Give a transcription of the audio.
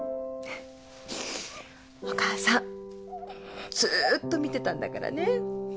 お母さんずっと見てたんだからね。